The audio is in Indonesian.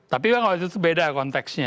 tapi kalau itu beda konteksnya